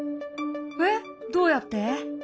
えっどうやって？